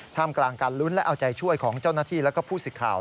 กลางการลุ้นและเอาใจช่วยของเจ้าหน้าที่และผู้สิทธิ์ข่าว